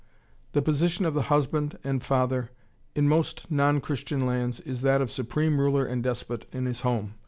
] The position of the husband and father in most non Christian lands is that of supreme ruler and despot in his home.